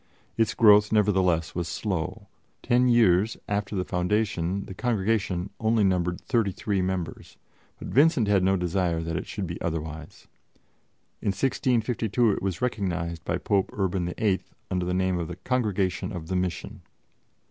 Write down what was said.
Its growth, nevertheless, was slow; ten years after the foundation the Congregation only numbered thirty three members; but Vincent had no desire that it should be otherwise. In 1652 it was recognized by Pope Urban VIII under the name of the Congregation of the Mission.